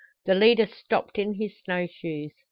The leader stopped in his snow shoes.